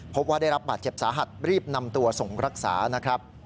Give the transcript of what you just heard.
พบว่าได้รับบาดเจ็บสาหัสรีบนำตัวส่งรักษานะครับ